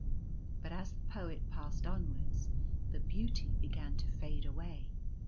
But as the Poet passed onwards the beauty began to fade away.